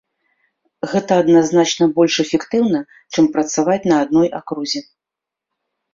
Гэта значна больш эфектыўна, чым працаваць на адной акрузе.